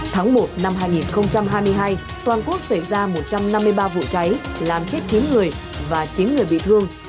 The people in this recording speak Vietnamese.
tháng một năm hai nghìn hai mươi hai toàn quốc xảy ra một trăm năm mươi ba vụ cháy làm chết chín người và chín người bị thương